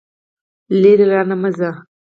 لرې رانه مه ځه.